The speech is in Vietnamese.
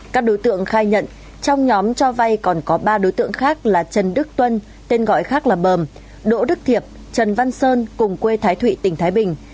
các đối tượng khai nhận trong nhóm cho vay còn có ba đối tượng khác là trần đức tuân tên gọi khác là bờm đỗ đức thiệp trần văn sơn cùng quê thái thụy tỉnh thái bình